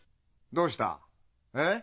どうした？えっ？